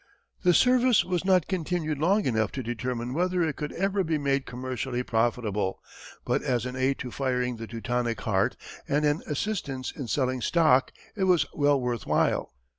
The service was not continued long enough to determine whether it could ever be made commercially profitable, but as an aid to firing the Teutonic heart and an assistance in selling stock it was well worth while.